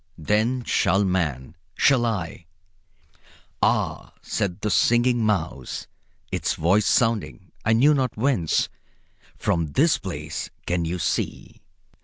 Then shall man shall I " "Ah," said the Singing Mouse, its voice sounding I knew not whence; "from this place can you see?"